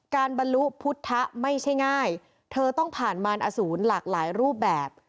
บรรลุพุทธะไม่ใช่ง่ายเธอต้องผ่านมารอสูรหลากหลายรูปแบบ